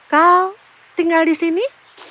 kau tinggal di sini